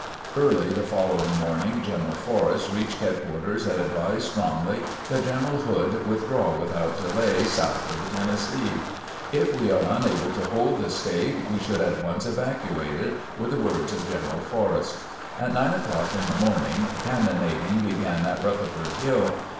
Early the following morning, General Forrest reached headquarters and advised strongly that General Hood withdraw without delay south of the Tennessee. "If we are unable to hold the state, we should at once evacuate it," were the words of General Forrest. At nine o'clock in the morning, cannonading began at Rutherford Hill.